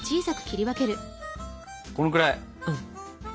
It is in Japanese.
このくらい？